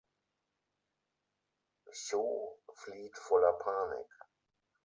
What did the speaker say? Cho flieht voller Panik.